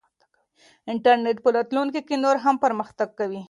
انټرنیټ به په راتلونکي کې نور هم پرمختګ وکړي.